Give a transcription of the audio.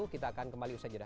kita akan kembali usai jeda